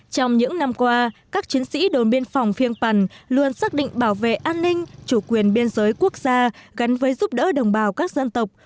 trong những năm qua các chiến sĩ đồn biên phòng phiêng pần luôn xác định bảo vệ an ninh chủ quyền biên giới quốc gia gắn với giúp đỡ đồng bào các dân tộc